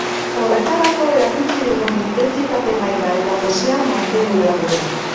Horretarako, erakutsi dugun intentsitate maila eta gosea mantendu behar dugu.